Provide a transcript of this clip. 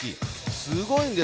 すごいんです。